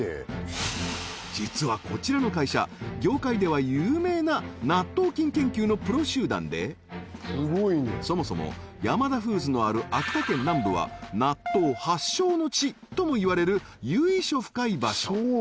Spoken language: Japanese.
実はこちらの会社業界では有名な納豆菌研究のプロ集団でそもそもヤマダフーズのある秋田県南部は納豆発祥の地ともいわれる由緒深い場所